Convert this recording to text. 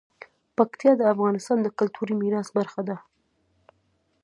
پکتیا د افغانستان د کلتوري میراث برخه ده.